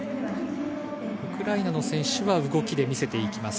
ウクライナの選手は動きで見せていきます。